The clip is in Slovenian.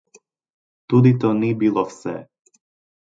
Tudi to ni bilo vse.